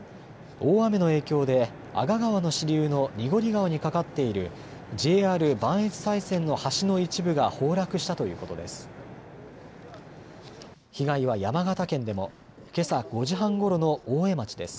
大雨の影響で阿賀川の支流の濁川に架かっているＪＲ磐越西線の橋の一部が崩落したということです。